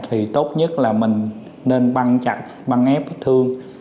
thì tốt nhất là mình nên băng chặt băng ép bích thương